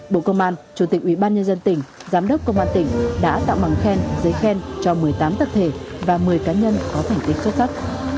bộ công an chủ tịch ủy ban nhân dân tỉnh giám đốc công an tỉnh đã tạo bằng khen giấy khen cho một mươi tám tập thể và một mươi cá nhân có thành tích xuất sắc